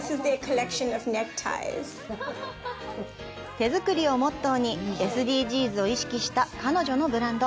手作りをモットーに、ＳＤＧｓを意識した彼女のブランド。